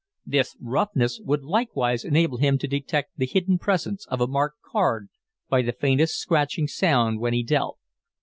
This roughness would likewise enable him to detect the hidden presence of a marked card by the faintest scratching sound when he dealt.